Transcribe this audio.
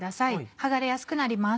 剥がれやすくなります。